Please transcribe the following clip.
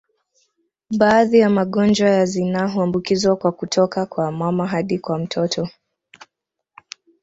Baadhi ya magonjwa ya zinaa huambukiza kwa kutoka kwa mama hadi kwa mtoto